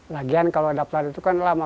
lagian kalau daftar itu kan lama